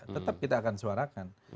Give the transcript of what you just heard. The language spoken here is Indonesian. tetap kita akan suarakan